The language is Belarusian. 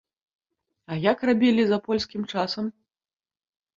А як рабілі за польскім часам?